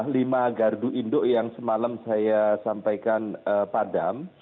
lima gardu induk yang semalam saya sampaikan padam